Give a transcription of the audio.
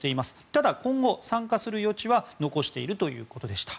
ただ、今後参加する余地は残しているということでした。